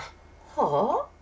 はあ？